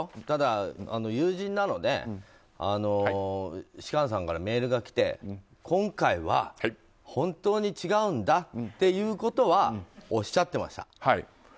ただ、友人なので芝翫さんからメールが来て今回は本当に違うんだっていうことはおっしゃていました。